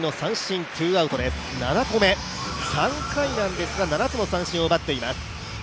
３回なんですが、７つの三振を奪っています。